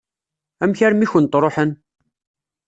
Amek armi i kent-ṛuḥen?